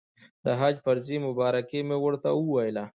د حج د فرضې مبارکي مو ورته وویله.